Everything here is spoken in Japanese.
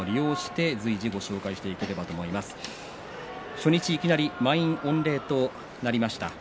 初日、いきなり満員御礼となりました。